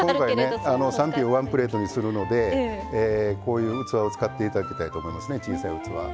今回ね３品をワンプレートにするのでこういう器を使って頂きたいと思いますね小さい器。